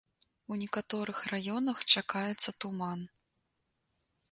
У некаторых раёнах чакаецца туман.